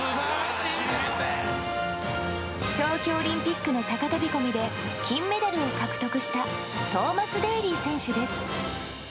東京オリンピックの高飛び込みで金メダルを獲得したトーマス・デーリー選手です。